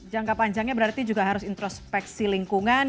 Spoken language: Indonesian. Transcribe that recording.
jangka panjangnya berarti juga harus introspeksi lingkungan